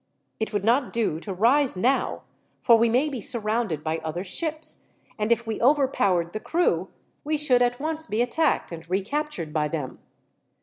It would not do to rise now, for we may be surrounded by other ships, and if we overpowered the crew, we should at once be attacked and recaptured by them.